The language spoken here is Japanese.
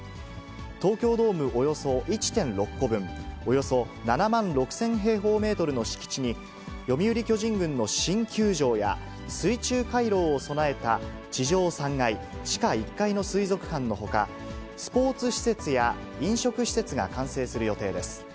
東京ドームおよそ１．６個分、およそ７万６０００平方メートルの敷地に、読売巨人軍の新球場や、水中回廊を備えた地上３階、地下１階の水族館のほか、スポーツ施設や飲食施設が完成する予定です。